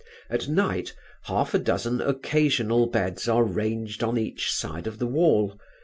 At night, half a dozen occasional beds are ranged on each side along the wall.